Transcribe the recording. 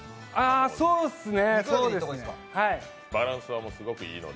そうですね。